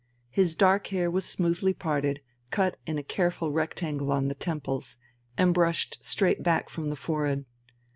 His dark hair was smoothly parted, cut in a careful rectangle on the temples, and brushed straight back from the forehead.